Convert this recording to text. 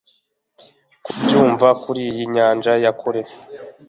Kubyumva kuriyi nyanja ya kure